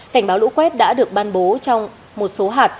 cảnh báo lũ quét đã được ban bố trong một số hạt